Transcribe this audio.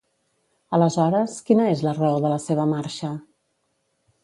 Aleshores, quina és la raó de la seva marxa?